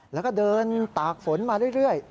แล้วก็เดินตากฝนมาเรื่อย